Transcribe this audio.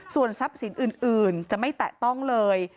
ส่วนทรัพย์สินอื่นจะไม่แตะต้องเลย